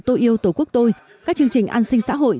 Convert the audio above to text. tôi yêu tổ quốc tôi các chương trình an sinh xã hội